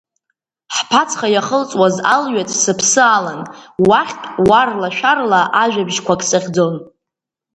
Ҳԥацха иахылҵуаз алҩаҵә сыԥсы алан, уахьтә уарла-шәарла ажәабжьқәак сыхьӡон.